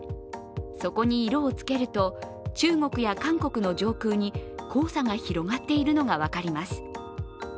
そこに色をつけると、中国や韓国の上空に黄砂が広がっているのが分かります。